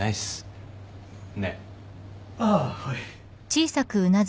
あっはい。